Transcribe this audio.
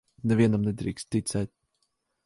Nevienam nedrīkst ticēt.